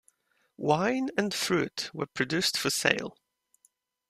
Wine and fruit were produced for sale.